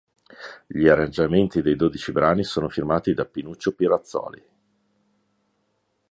Gli arrangiamenti dei dodici brani sono firmati da Pinuccio Pirazzoli.